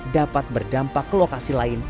dapat berdampak ke lokasi